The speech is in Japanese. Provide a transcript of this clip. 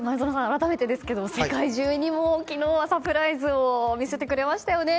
改めてですけど世界中にも昨日はサプライズを見せてくれましたよね